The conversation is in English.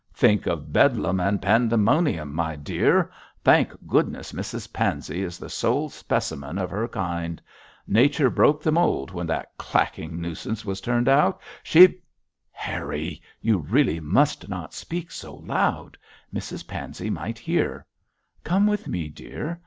'Think of Bedlam and Pandemonium, my dear! Thank goodness Mrs Pansey is the sole specimen of her kind. Nature broke the mould when that clacking nuisance was turned out. She ' 'Harry! you really must not speak so loud. Mrs Pansey might hear. Come with me, dear.